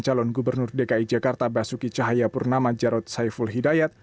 calon gubernur dki jakarta basuki cahayapurnama jarod saiful hidayat